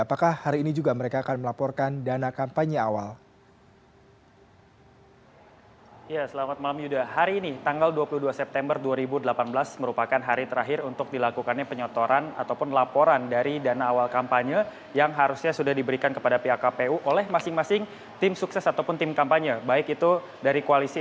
apakah hari ini juga mereka akan melaporkan dana kampanye awal